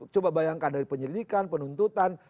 coba bayangkan dari penyelidikan penuntutan